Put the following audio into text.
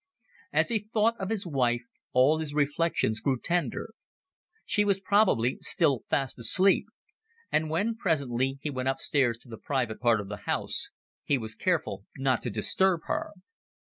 As he thought of his wife all his reflections grew tender. She was probably still fast asleep; and when, presently, he went up stairs to the private part of the house, he was careful not to disturb her.